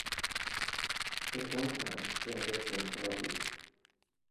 The Gongman was often parodied.